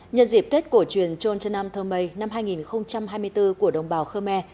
nhân dịp tết cổ truyền trôn trân nam thơ mây năm hai nghìn hai mươi bốn của đồng bào khơ me